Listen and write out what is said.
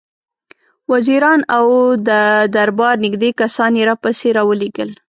وزیران او د دربار نېږدې کسان یې راپسې را ولېږل.